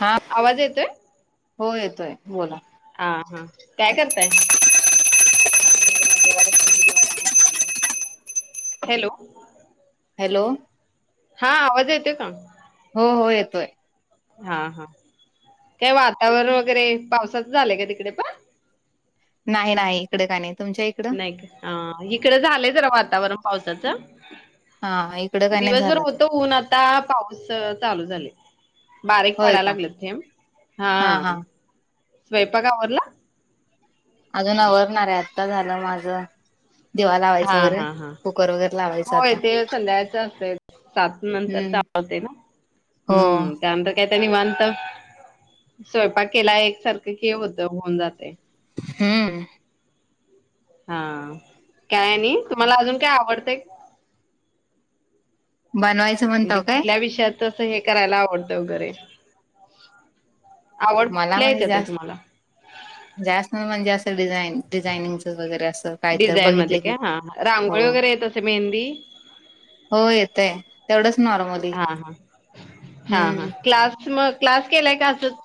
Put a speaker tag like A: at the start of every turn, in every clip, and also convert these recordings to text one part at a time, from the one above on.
A: हा,
B: आवाज येतोय,
A: हो येतोय बोला.
B: हा हा काय करताय? हॅलो,
A: हॅलो,
B: हा आवाज येतोय का?
A: हो-हो येतोय.
B: हा-हा, काय वातावरण वगैरे पावसाच झालंय का तिकडे पण?
A: नाही-नाही इकडं काय नाही तुमच्या इ
B: नाही काय हा, इकड झालंय जरा वातावरण पावसाचं.
A: हा, इकडं काय नाही
B: दिवसभर
A: झालं तर
B: होतं ऊन, आता पाऊस चालू झालयं. बारीक
A: होय
B: पडायला
A: का
B: लागलेत थेंब, हा स्वयंपाक आवरला?
A: अजून आवरणार आहे, आत्ता झालं माझं. दिवा लावायचं
B: हा
A: वगैरे, कुकर वगैरे लावायचं आता.
B: संध्याकाळचं असेल सात नंतरच
A: हम्म
B: आवरते ना
A: हो
B: हम्म. त्यानंतर काय, आता निवांत स्वयपाक केला, एकसारखं की हे होतं होऊन जातंय.
A: हम्म.
B: हां, काय नाही तुम्हाला अजून काय आवडतंय?
A: बनवाय
B: म्हणजे कुठल्या विषयात तसं हे करायला आवडतं वगैरे. आवड
A: मला
B: कुठल्या
A: म्हणजे
B: याच्यात आहे
A: जास्त
B: तुम्हाला
A: जास्त म्हणजे डिझाईन डिझाईनिंगचचं वगैरे असं. काय तर
B: डिझाईनमध्ये
A: बघितलं की
B: का,
A: हो
B: रांगोळी वगैरे येत असे, मेहंदी?
A: हो, येतंय तेवढंच नॉर्मल.
B: हा, हा, हा, हा, क्लास मग क्लास केलाय का असंच.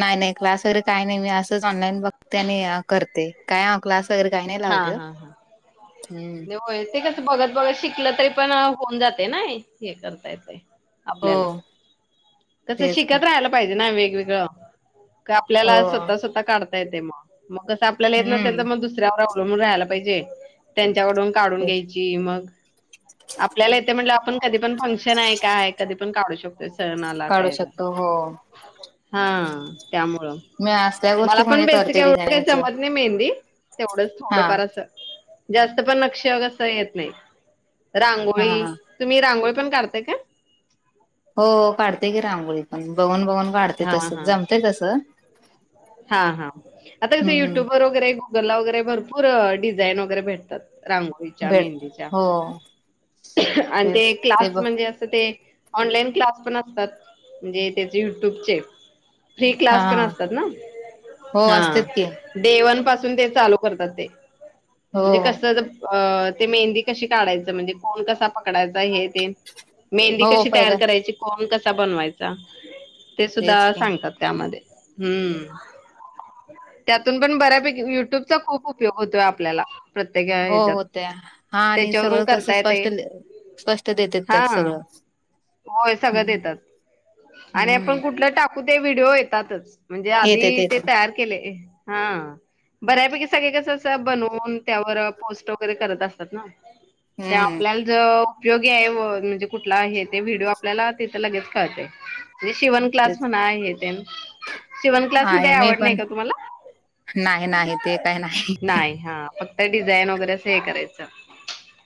A: नाही नाही, क्लास वगैरे काही नाही, मी असंच ऑनलाईन बघते आणि करते. काय अ क्लास वगैरे काही नाही
B: हा
A: लावते अ
B: हा हा
A: हम्म.
B: नाही होय ते कसं बघत बघत शिकलं तरी पण होऊन जातंय ना हे, हे करता येतंय.
A: हो
B: आपल्याला, कसं
A: तेच का
B: शिकत राहायला पाहिजे ना वेगवेगळं, का
A: हो
B: आपल्याला स्वतः स्वतः काढता येतंय मग. मग कसं आपल्याला येत नसेल तर
A: हम्म
B: मग दुसऱ्यावर अवलंबून राहायला पाहिजे, त्यांच्याकडून काढून
A: तेच
B: घ्यायची. की मग आपल्याला येतंय म्हणल्यावर आपण कधी पण फंक्शन आहे, काय आहे, कधी पण काढू शक सणाला
A: काढू
B: कायला,
A: शकतो हो
B: हां त्यामुळं.
A: मी असल्या
B: मला
A: गोष्टी
B: पण
A: म्हणजे
B: बेसिक
A: करते
B: एवढ काही
A: डिझायनिंगच
B: जमत नाही मेहंदी तेवढंच.
A: हा
B: थोडंफार असं, जास्त पण नक्षी अग असं येत नाही,
A: हा
B: रांगोळी तुम्ही रांगोळी पण काढता का?
A: हो, काढते की रांगोळी पण, बघून बघून काढते,
B: हा
A: तसं
B: हा
A: जमतंय तसं.
B: हा, हा, आता कसं
A: हम्म
B: युट्युब वगैरे जल्ला वगैरे भरपूर डिझाईन वगैरे भेटतात रांगोळी रांगोळीच्या,
A: भेटते
B: मेहंदीच्या
A: हो
B: आणि ते
A: तेच
B: क्लास
A: ब
B: म्हणजे असं ते ऑनलाईन क्लास पण असतात, म्हणजे तेच युट्यूबचे. फ्री
A: हा
B: क्लास पण असतात ना.
A: हो असतेच
B: हां,
A: की
B: डे वन पाासून ते चालू करतात ते
A: हो
B: म्हणजे कसं ज अ... ते मेहंदी कशी काढायचं म्हणजे कोण कसा पकडायचा हे ते मेहंदी
A: हो
B: कशी तयार
A: पहिलं
B: करायची, कोण कसा बनवायचा ते सुद्धा
A: तेच की
B: सांगतात. त्यामध्ये हम्म. त्यातून पण बऱ्यापैकी युट्यूबचा खूप उपयोग होतोय आपल्याला प्रत्येक
A: हो,
B: ह्याच्यात.
A: होत्या हा, आणि
B: त्याच्यावरून
A: सगळं कसं
B: करता येतंय.
A: स्पष्ट ल स्पष्ट देतेत त्यात
B: हां.
A: सगळच.
B: होय, सगळं देतात आणि आपण
A: हम्म.
B: कुठलं टा [unintelligible] व्हिडिओ येतातच, म्हणजे आधी
A: येते
B: ते
A: तर
B: तयार केलंय हां. बऱ्यापैकी सगळे कसं असं बनवून, त्यावर पोस्ट वगैरे करत असतात ना ते
A: हम्म.
B: आपल्याला जव उपयोगी आहे व म्हणजे कुठला हे ते व्हिडिओ आपल्याला तिथे लगेच कळतंय, म्हणजे शिवण क्लास
A: तेच
B: म्हणा हे तेन शिवण [unintelligible]
A: आहे मी
B: आवड नाही
A: पण
B: का तुम्हाला
A: नाही नाही ते काय नाही
B: नाही, हां. त डिझाईन वगैरे असं हे करायचं.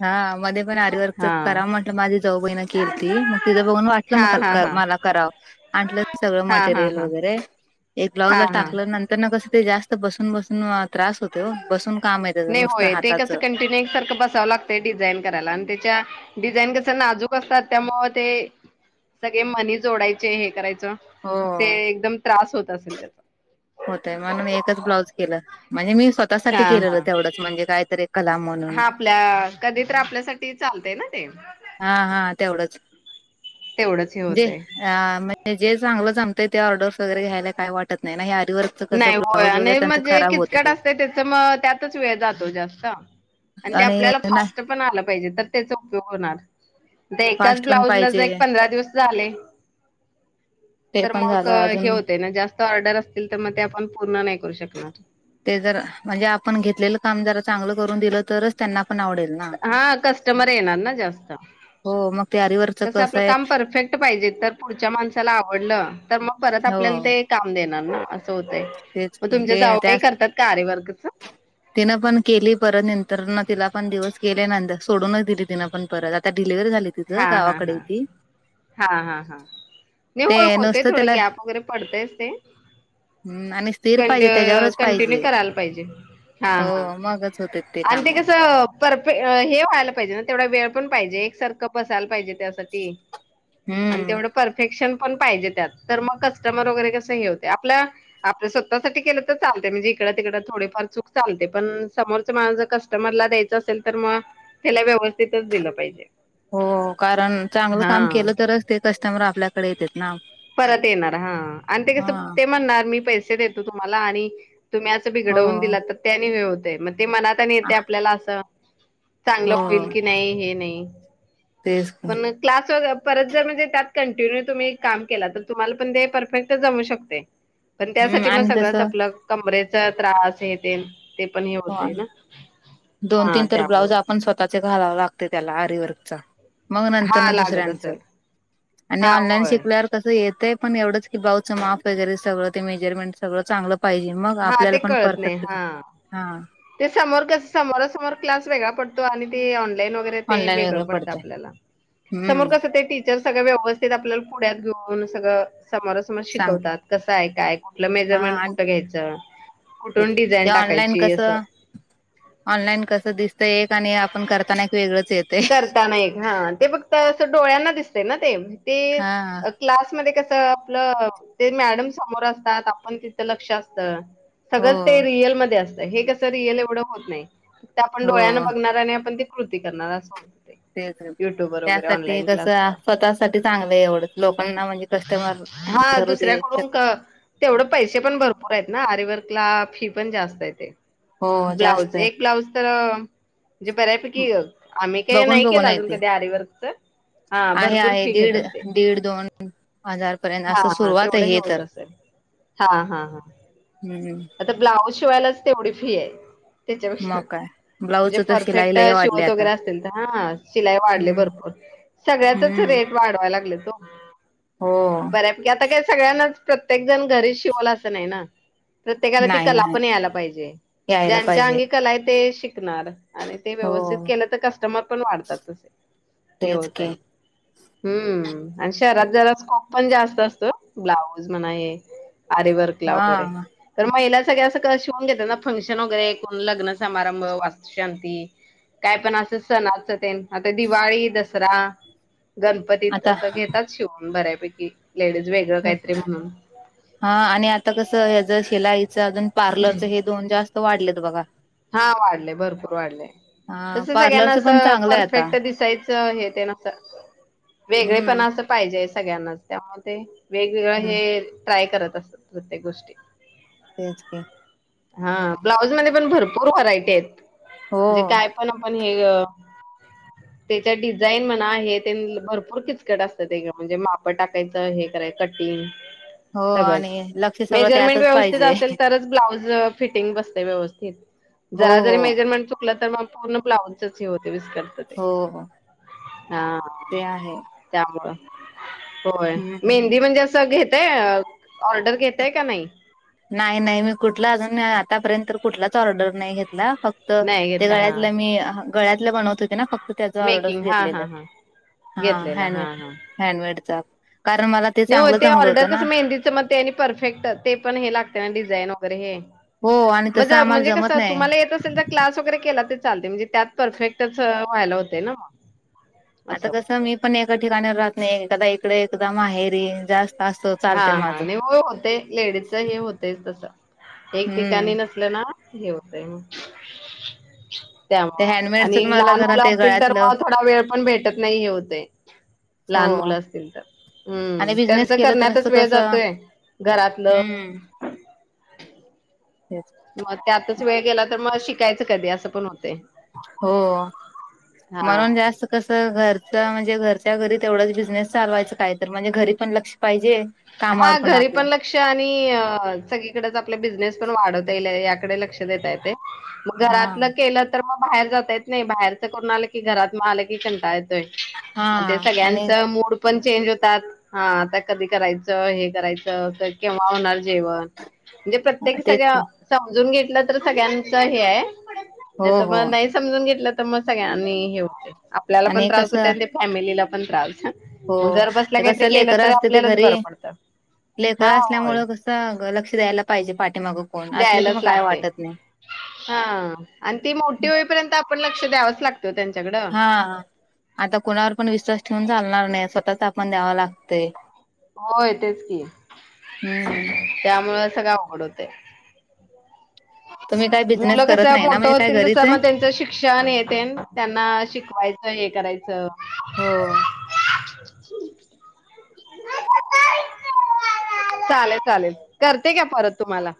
A: हां, मध्ये पण आरीवर्कच
B: हा
A: करा म्हटलं, माझी जाऊबाईन केलती, मग तीच बघून वाटलं
B: हा
A: मग काल
B: हा
A: का
B: हा
A: मला करावं आणलं मी सगळं
B: हा हा
A: मटेरियल
B: हा
A: वगैरे एक ब्लाउज
B: हा
A: ला
B: हा
A: टाकलं, नंतर न कसं ते जास्त बसून बसून वा त्रास होतंय ओ, बसून काम आहे त्याचं, नुसतं हाताचं.
B: एकटीने एकसारखं बसावं लागतं. ते डिझाईन करायला आणि त्याच्या डिझाईन कसं नाजूक असतात, त्यामुळे ते सगळे मनी जोडायचे हे करायचं,
A: हो
B: ते एकदम त्रास होत असेल त्याच
A: होतय म्हणून एकच ब्लाऊज केलं, म्हणजे मी स्वतःसाठी
B: हा
A: केलेलं
B: हा
A: तेवढंच म्हणजे कायतरी कराव म्हणून
B: हा आपल्या, कधी तर आपल्यासाठी चालत ना ते
A: हा हा तेवढंच
B: तेवढंच हे
A: जे
B: होतंय.
A: अ म्हणजे जे चांगलंच जमतंय ते ऑर्डर्स वगैरे घ्यायला काय वाटत नाही, ना हे आरीवर्क
B: नाही, होय आणि म्हणजे किचकट असते त्याच्यामुळे त्यातच वेळ जातो जास्त आणि ते
A: आणि
B: आपल्याला
A: नाही
B: फास्टं पण आलं पाहिजे, तर त्याचा उपयोग होणार. एकाच
A: फास्ट पण
B: ब्लाउऊजला जर
A: पाहिजे
B: एक पंधरा दिवस झाले,
A: ते
B: तर
A: पण
B: मग
A: झालं
B: हे
A: अजून
B: होतंय ना, जास्त ऑर्डर असतील, त्यापण पूर्ण नाही करू शकणार.
A: ते जर म्हणजे, आपण घेतलेलं काम जरा चांगलं करून दिलं तरचं त्यांना पण आवडेल ना.
B: हा.. कस्टमर येणार ना जास्त
A: हो मग ते आरीवर्क
B: कसं आपलं काम परफेक्ट पाहिजे, तर पुढच्या माणसाला आवडलं तर मग परत आपल्याला
A: हो
B: ते काम देणार ना असं होतय,
A: तेच
B: 'मग तुमच्या
A: ते
B: जाऊबाई
A: त्या
B: करतात का आरीवर्कच'?
A: तिनं पण केली, परत नंतर ना तिला पण दिवस गेले नंतर सोडूनच दिली तिनं पण परत आता डिलिव्हरी झाली. [inaudible]
B: हा हा
A: गावाकडे
B: हा
A: गेली.
B: हा हा हा नाही
A: ते
B: हो होते,
A: नुसतं
B: थोडं
A: त्याला
B: गॅप वगैरे पडतयच ते
A: आणि स्थिर पाहिजे
B: कडं
A: त्याच्यावरच
B: कंटिन्यू
A: पाहिजे
B: करायला पाहिजे. हा हा
A: हो मगच होते
B: आणि ते
A: काम
B: कसं परे हे व्हायला पाहिजे ना, तेवढा वेळ पण पाहिजे, एक सारखं बसायला पाहिजे त्यात ते आणि
A: हम्म
B: तेवढं परफेक्शन पण पाहिजे त्यात. तर, मग कस्टमर वगैरे कसं हे होते आपल्या आपलं स्वतःसाठी केलं तर चालते. म्हणजे, इकड- तिकडं थोडी फार चूक चालते पण समोरच माणसंच कस्टमरला द्यायचं असेल, तर मग त्याला व्यवस्थितच दिलं पाहिजे.
A: हो कारण चांगलं
B: हा
A: काम केलं तरच, ते कस्टमर आपल्याकडे येत्यात ना.
B: परत येणार. हा.. आणि ते
A: हा
B: कस ते म्हणणार मी पैसे देतो तुम्हाला आणि तुम्ही अस
A: हो
B: बिघडवून दिलात त्यानी हे होते, मग ते मनात आणि येते आपल्याला असं चांगलं
A: हो
B: होईल की नाही हे नाही.
A: तेच की.
B: पण क्लास व परत जर म्हणजे त्यात कंटिन्यू तुम्ही काम केल तर तुम्हाला पण ते परफेक्ट जमू शकते. पण
A: हम्म
B: त्यासाठी मग
A: आणि
B: सगळंच
A: तसं
B: आपलं कमरेचा त्रास हे ते, ते पण हे
A: हो
B: होते
A: आणि
B: ना, हा त्यामुळं
A: पण स्वतःचे घालावं लागते त्याला आरीवर्कच. मग, नंतर
B: हा
A: ना
B: लागत
A: दुसऱ्यांचं
B: असेल
A: आणि
B: हा
A: ऑनलाईन
B: होय.
A: शिकल्यावर तस येतंय पण एवढंच की ब्लाऊजचं माप वगैरे सगळ ते मेजरमेंट सगळं चांगलं पाहिजे मग
B: हा
A: आपल्याला
B: ते
A: पण
B: कळत नाही
A: परफेक्ट
B: हा.
A: हा
B: ते समोर कस समोरासमोर क्लास वेगळा पडतो आणि ते ऑनलाईन वगैरे ते
A: ऑनलाईन
B: वेगळं पडत
A: पडतंय
B: आपल्याला, समोर
A: हम्म
B: कस ते ते सगळं व्यवस्थित आपल्याला पुड्यात घेऊन सगळं समोरा- समोर
A: सांग
B: शिकवतात कसं आहे काय?
A: हा
B: मेजरमेंट
A: आणि
B: कुठं घ्यायंच
A: ते ऑनलाईन
B: असं.
A: कसं? ऑनलाईन कसं, दिसतं एक आणि आपण करताना एक वेगळंच येत.
B: बघता नाही येत. ते फक्त असं डोळ्यांना दिसतय ना ते. ते
A: हा
B: क्लासमध्ये कसं, आपलं ते मॅडम समोर असतात. आपण तिथं लक्ष असतं
A: हो
B: सगळं ते रियलमध्ये असतय. हे कसं, रियल एवढं होत नाही. फक्त आपण डोळ्यानं
A: हो
B: बघणार, आणि आपण ते कृती करणार, असं होतय.
A: तेच तर. ते त्यासाठी कसं,
B: क्लासच
A: स्वतःसाठी चांगलंय एवढं. लोकांना म्हणजे कस्टमर
B: हा
A: धरू दे.
B: दुसऱ्याकडून
A: [unintelligible]
B: क- तेवढं पैसे पण भरपूरयत ना? आरीवर्कला, फी पण जास्त येते.
A: हो
B: ब्लाऊज.
A: जास्त आहे
B: एक ब्लाऊज तरं, म्हणजे बऱ्यापैकी आम्ही कायी
A: बघून
B: नाही
A: बघून
B: केलं,
A: आहे
B: अजून
A: ते
B: कधी आरीवर्कच. हा,
A: आहे
B: भरपूर
A: आहे
B: फी
A: दीड
B: घेतात ते.
A: दीड दोन हजार पर्यंत
B: हा,
A: असं
B: हा.
A: सुरुवात आहे
B: तेवढं हे होत
A: तर
B: असेल. हा, हा, हा.
A: हम्म
B: आता ब्लाऊज शिवायलाच तेवढी फीय. त्याच्यापेक्षा,
A: मग काय
B: जे
A: ब्लाऊजच तर शिलाई
B: परफेक्ट
A: लय
B: शिव
A: वाढली आता
B: वगरे असेल तर, हा. शिलाई वाढलीय
A: हम्म
B: भरपूर. सगळ्याचच
A: हम्म
B: रेट वाढवाय लागल्यात ओ.
A: हो
B: बऱ्या की आता काही सगळ्यांनाच, प्रत्येक जण घरीच शिवल असं, नाही ना? प्रत्येकाला ती
A: नाही
B: कला
A: नाही
B: पण यायला पाहिजे.
A: यायला
B: ज्यांच्या
A: पाहिजे
B: अंगी कलाय ते शिकणार. आणि ते
A: हो
B: व्यवस्थित केलं तर, कस्टमर पण वाढतातच. हे
A: तेच की
B: होतय. हम्म, अन् शहरात जरा स्कोप पण जास्त असतो. ब्लाऊज म्हणा, हे आरीवर्कला
A: हा
B: वगेरे. तर महिला सगळ्या असं क शिवून घेतात ना. फंक्शन वगैरे, लग्न समारंभ, वास्तुशांती. काय पण असं सणाच तेन. आता दिवाळी- दसरा. गणपतीत
A: आता
B: असं घेतात. शिवून बऱ्यापैकी. लेडीज वेगळं
A: हो
B: काहीतरी म्हणून.
A: हा आणि आता कसं, हेज शिलाईचं अजून, पार्लरचं हे दोन जास्त वाढलेत बघा.
B: हा, वाढलय. भरपूर वाढलय.
A: हा
B: कसं सगळ्यांना
A: पार्लरचं पण
B: असं,
A: चांगलं आहे आता
B: परफेक्ट दिसायचं. हे ते न असं. वेगळेपण
A: हम्म
B: असं पाहिजे, सगळ्यांनाच. त्यामुळं ते, वेगवेगळं
A: हम्म
B: हे ट्राय करत असतात, प्रत्येक गोष्टी.
A: तेच की.
B: हा, ब्लाऊजमध्ये पण भरपूर व्हरायटीयत. म्हणजे
A: हो.
B: काय पण- पण हे त्याच्या डिझाईन म्हणा, हे ते न. भरपूर किचकट असतं ते गं. म्हणजे, माप टाकायचं, हे कराय कटिंग.
A: हो आणि
B: सगळंच.
A: लक्ष सगळं
B: मेजरमेंट
A: त्यातच
B: व्यवस्थित
A: पाहिजे
B: असेल, तरच ब्लाउज फिटिंग बसतय व्यवस्थित.
A: हो
B: जरा जरी
A: हो
B: मेजरमेंट चुकलं, तर मग पूर्ण ब्लाउजच हे होते, विस्कट तय.
A: हो हो
B: हा,
A: ते आहे.
B: त्यामुळं. होय.
A: हम्म
B: मेहंदी म्हणजे असं, घेतय. ऑर्डर घेतय, का नाही?
A: नाही, नाही. मी कुठला, अजून आतापर्यंत कुठलाच ऑर्डर नाही घेतला. फक् त
B: नाही
A: ते
B: घेतला हां.
A: गळ्यातलं मी, गळ्यातलं बनवत होते ना, फक्त. त्याचं ऑर्डर्स
B: मेकिंग हां
A: घेतलेलं.
B: हां हां
A: हा,
B: घेतलेला
A: हॅन्ड
B: हां हां.
A: हॅण्डमेडचं. कारण मला
B: नाही ओ,
A: चांगलं
B: ते
A: जमलं
B: ऑर्डर
A: होतं ना
B: कसं मेहंदीच. मग ते आणि परफेक्ट, ते पण हे लागते ना डिझाईन वगैरे हे.
A: हो आणि
B: म
A: तसं
B: जा
A: आम्हाला
B: म्हणजे
A: जमत
B: कसं,
A: नाही
B: तुम्हाला येत असेल तर क्लास वगैरे केला ते चालते. म्हणजे त्यात परफेक्टच, व्हायला होतेय ना.
A: आता
B: असं
A: कसं, मी पण एका ठिकाणी राहत नाही. एकदा इकडं, एकदा माहेरी. जास्त असं
B: हा,
A: चालतय
B: हा.
A: माझं
B: आणि हो होते, लेडीजच हे होते तसं. एक
A: हम्म
B: ठिकाणी नस लं ना, हे होतय, मग.
A: ते
B: त्यामुळं
A: हँडमेडच
B: आणि
A: मला
B: लहान
A: जरा
B: मुलं
A: ते
B: असतील तर
A: गळ्यातलं
B: मग थोडा वेळ पण भेटत नाही हे होतय.
A: हो
B: लहान मुलं असतील तर,
A: आणि
B: हम्म
A: बिझनेस
B: त्यांचं
A: केलं तर
B: करण्यातच वेळ जातोय. घरातलं
A: हम्
B: मग त्यातच वेळ गेला तर मग शिकायचं कधी असं पण होते
A: हो म्हणून जास्त कसं घरचं म्हणजे घरच्या घरी तेवढाच बिझनेस चालवायचं काय तरी, म्हणजे घरी पण लक्ष पाहिजे. कामावर
B: हा घरी
A: आपलं
B: पण लक् लक्ष आणि सगळीकडेच आपले बिझनेस पण वाढवता येईल, याकडे लक्ष देता येतंय. मग
A: हा
B: घरातलं केलं तर म बाहेर जाता येत नाही. बाहेरच कोण आलं की घरात म आलं की कंटाळा येतो. तोय
A: हा
B: मग ते
A: आणि
B: सगळ्यांचं मूड पण चेंज होतात, हां आता कधी करायचं. केव्हा हे करायचं? केव्हा होणार जेवण? म्हणजे प्रत्येक
A: तेच की.
B: सगळ्या समजून घेतलं तर, सगळ्यांचं हे आहे.
A: हो
B: नाही तर
A: हो
B: मग नाही समजून घेतलं तर मग सगळ्यांनी हे होतंय. आपल्याला पण
A: आणि
B: त्रास होतंय
A: कसं
B: आणि ते फॅमिलीला पण त्रास.
A: हो
B: मं घर बसल्या
A: ते
B: काहीतरी
A: कसं
B: केलं तर, आपल्यालाच बरं पडतं. हा
A: लेकरं
B: होय
A: असल्यामुळें कसं अगं लक्ष द्यायला पाहिजे पाठीमागं कोण असलं की, मग काय वाटत नाही.
B: हां अन ती मोठी होईपर्यंत आपण लक्ष द्यावच लागतं. त्यांच्याकडं
A: हा आता कुणावर विश्वास ठेवून चालणार नाही. स्वतःच आपण द्यावं लागतंय.
B: होय तेच की,
A: हम्म
B: त्यामुळं सगळं अवघड होतंय.
A: तुम्ही काय बिझनेस
B: मुलं
A: करत
B: कसं
A: नाही ना
B: मोठं
A: म्हणजे काय
B: होतील
A: घरीच
B: तसं, म
A: आहे
B: त्यांचं शिक्षण हे तेन त्यांना शिकवायचं. हे करायचं
A: हो.
B: चालेल, चालेल, करतेय का परत तुम्हाला.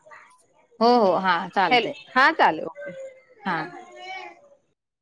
A: हो, हो, हा
B: हेल
A: चालतंय.
B: हा चाल ओके.
A: हां